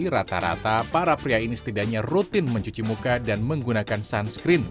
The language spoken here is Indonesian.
rata rata para pria ini setidaknya rutin mencuci muka dan menggunakan sunscreen